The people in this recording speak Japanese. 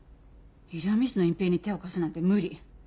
医療ミスの隠蔽に手を貸すなんて無理。